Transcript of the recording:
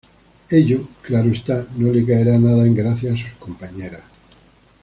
Ello, claro está, no le caerá nada en gracia a sus compañeras.